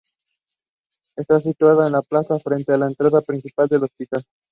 Está situada en la plaza frente a la entrada principal del hospital.